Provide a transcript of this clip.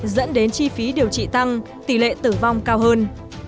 dẫn đến chi phí điều trị tăng tỷ lệ tử vong cao hơn